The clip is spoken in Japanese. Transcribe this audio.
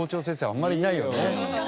あんまりいないよね。